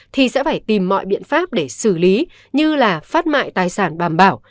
thì sẽ phải tìm mọi biện pháp để xử lý như là phát mại tài sản đảm bảo